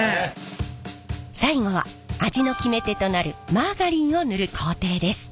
最後は味の決め手となるマーガリンを塗る工程です。